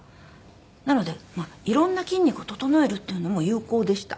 なのでいろんな筋肉を整えるっていうのも有効でした。